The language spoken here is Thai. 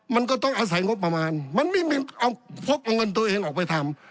มันก็ต้องอาศัยงบประมาณมันไม่มีเอาพกเอาเงินตัวเองออกไปทำ